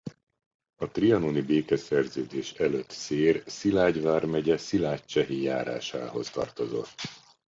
A trianoni békeszerződés előtt Szér Szilágy vármegye Szilágycsehi járáshoz tartozott.